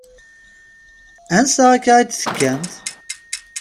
Ansa akka i d-tekkamt?